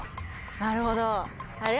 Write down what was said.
なるほど。